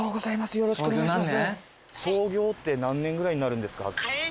よろしくお願いします。